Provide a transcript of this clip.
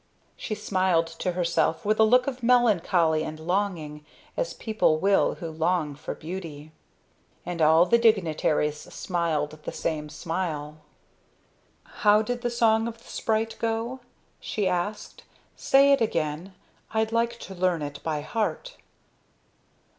She smiled to herself with a look of melancholy and longing, as people will who long for beauty. And all the dignitaries smiled the same smile. "How did the song of the sprite go?" she asked. "Say it again. I'd like to learn it by heart."